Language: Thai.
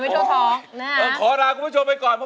สวัสดีครับ